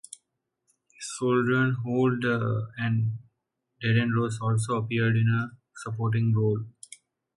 Sandrine Holt and Darrin Rose also appear in supporting roles.